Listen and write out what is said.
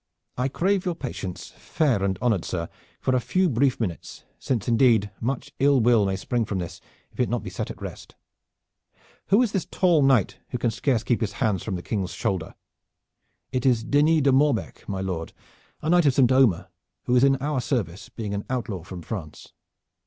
"I crave your patience, fair and honored sir, for a few brief minutes, since indeed much ill will may spring from this if it be not set at rest. Who is this tall knight who can scarce keep his hands from the King's shoulder?" "It is Denis de Morbecque, my lord, a knight of St. Omer, who is in our service, being an outlaw from France."